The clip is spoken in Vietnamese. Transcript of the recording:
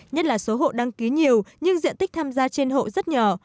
nhất là số hộ đăng ký nhiều nhưng diện tích tham gia trên hộ rất nhỏ